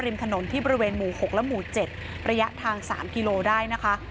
ริมถนนที่บริเวณหมู่๖และหมู่๗ระยะทาง๓กิโลได้นะคะ